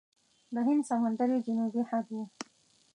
د هند سمندر یې جنوبي حد و.